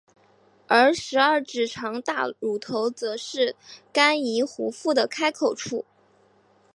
而十二指肠大乳头则是肝胰壶腹的开口处。